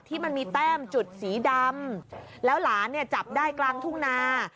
ที่มันมีแต้มจุดสีดำแล้วหลานเนี่ยจับได้กลางทุ่งนา